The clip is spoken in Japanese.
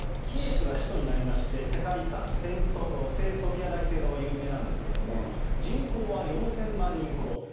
キエフが首都になりまして、世界遺産、聖ソフィア大聖堂が有名なんですけれども、人口は４０００万人ほど。